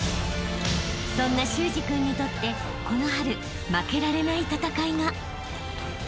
［そんな修志君にとってこの春負けられない戦いが］